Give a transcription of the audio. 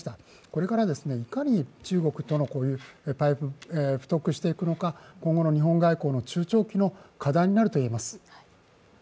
これからいかに中国とのパイプを太くしていくのか今後の日本外交の中長期の課題になると思います。